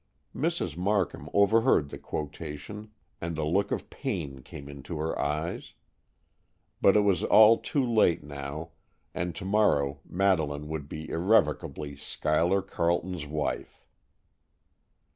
'" Mrs. Markham overheard the quotation, and a look of pain came into her eyes. But it was all too late now, and to morrow Madeleine would be irrevocably Schuyler Carleton's wife.